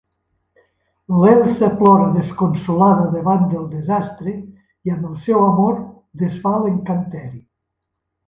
L'Elsa plora desconsolada davant del desastre i amb el seu amor desfà l'encanteri.